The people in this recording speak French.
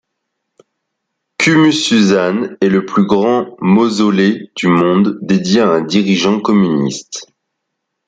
Kumsusan est le plus grand mausolée du monde dédié à un dirigeant communiste.